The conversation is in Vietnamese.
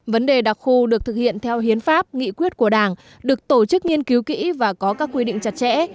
vấn đề đặc khu được thực hiện theo hiến pháp nghị quyết của đảng được tổ chức nghiên cứu kỹ và có các quy định chặt chẽ